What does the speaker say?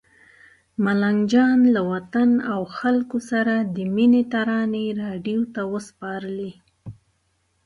ملنګ جان له وطن او خلکو سره د مینې ترانې راډیو ته وسپارلې.